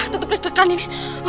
tetep di tegang ini